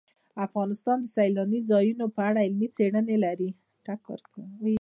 افغانستان د سیلاني ځایونو په اړه علمي څېړنې لري.